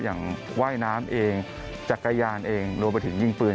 อย่างว่ายน้ำเองจักรยานเองรวมไปถึงยิงปืน